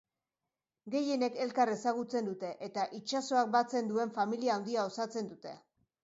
Gehienek elkar ezagutzen dute, eta itsasoak batzen duen familia handia osatzen dute.